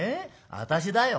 私だよ？